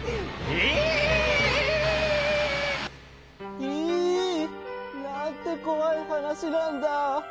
ヒイなんてこわいはなしなんだ。